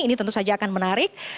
ini tentu saja akan menarik